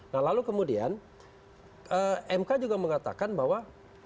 nah lalu kemudian mk juga mengatakan bahwa